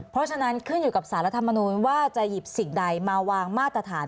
เพราะฉะนั้นขึ้นอยู่กับสารรัฐมนูลว่าจะหยิบสิ่งใดมาวางมาตรฐาน